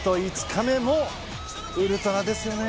５日目もウルトラですね。